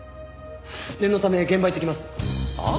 念のため現場行ってきます！はあ？